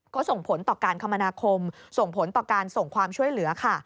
ก็ส่งผลต่อการคมนาคมส่งผลต่อการส่งความช่วยเหลือค่ะ